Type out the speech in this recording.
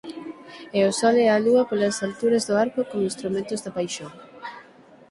E o Sol e a Lúa polas alturas do arco con instrumentos da Paixón.